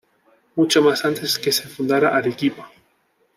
Mucho más antes que se fundara Arequipa.